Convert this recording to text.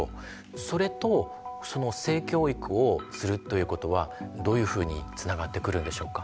それとその性教育をするということはどういうふうにつながってくるんでしょうか？